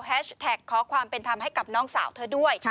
แท็กขอความเป็นธรรมให้กับน้องสาวเธอด้วย